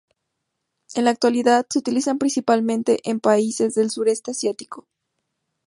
En la actualidad se utilizan principalmente en países del sureste asiático.